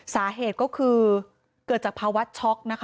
สาเหตุก็คือเกิดจากภาวะช็อกนะคะ